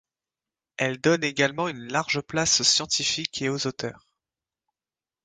Elle donne également une large place aux scientifiques et aux auteurs.